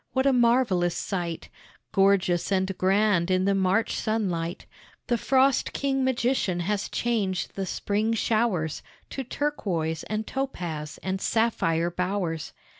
What a marvelous sight, Gorgeous and grand in the March sunlight! The frost king magician has changed the spring showers To turquois and topaz and sapphire bowers.